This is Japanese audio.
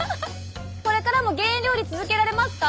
これからも減塩料理続けられますか？